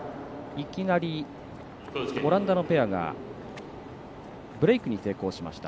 いきなり、オランダのペアがブレークに成功しました。